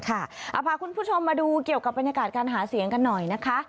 พาคุณผู้ชมมาดูเกี่ยวกับบรรยากาศการหาเสียงกันหน่อยนะคะ